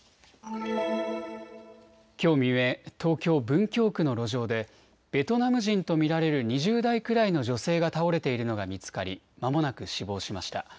きょう未明、東京文京区の路上でベトナム人と見られる２０代くらいの女性が倒れているのが見つかり、まもなく死亡しました。